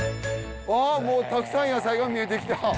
あもうたくさん野菜が見えてきた